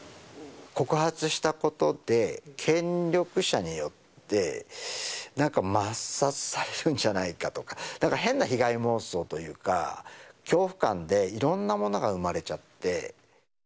告発したことで、権力者によって、なんか抹殺されるんじゃないかとか、なんか変な被害妄想というか、恐怖感で、いろんなものが生まれちゃって。